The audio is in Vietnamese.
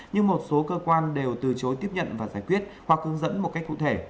nhưng một số cơ quan đều từ chối tiếp nhận và giải quyết hoặc hướng dẫn một cách cụ thể